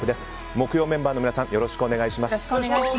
木曜メンバーの皆さんよろしくお願いします。